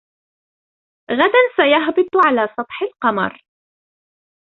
غداً سيهبط على سطح القمر.